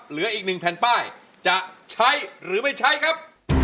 เหลืออีก๑แผ่นป้ายจะใช้หรือไม่ใช้ครับ